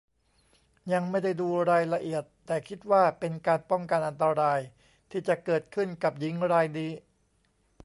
ยังไม่ได้ดูรายละเอียด แต่คิดว่าเป็นการป้องกันอันตรายที่จะเกิดขึ้นกับหญิงรายนี้